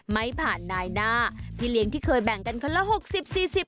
ไม่ผ่านนายหน้าพี่เลี้ยงที่เคยแบ่งกันคนละหกสิบสี่สิบ